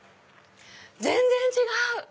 全然違う！